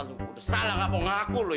aduh aduh salah nggak mau ngaku lo ya